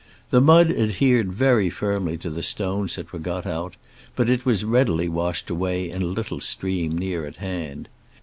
The mud adhered very firmly to the stones that were got out, but it was readily washed away in a little stream near at hand.